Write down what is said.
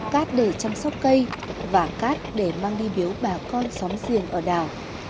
cát đặt lên bàn thờ cát để chăm sóc cây và cát để mang đi biếu bà con xóm riền ở đảo